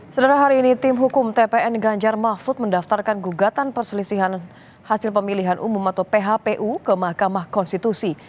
sederhana hari ini tim hukum tpn ganjar mahfud mendaftarkan gugatan perselisihan hasil pemilihan umum atau phpu ke mahkamah konstitusi